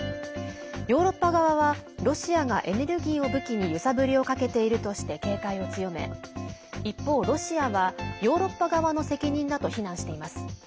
ヨーロッパ側はロシアがエネルギーを武器に揺さぶりをかけているとして警戒を強め一方、ロシアはヨーロッパ側の責任だと非難しています。